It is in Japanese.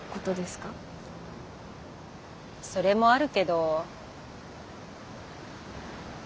それもあるけど。